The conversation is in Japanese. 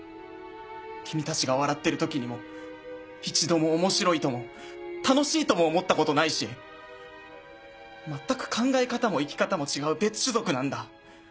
君たちが笑ってる時にも一度も面白いとも楽しいとも思ったことないし全く考え方も生き方も違う別種族なんだ。